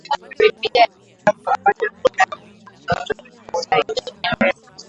Bibilia ni kitabu ambacho kitaishi milele.